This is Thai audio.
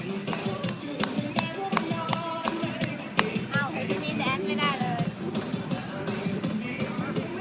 โหมินุธสินังเลยจริง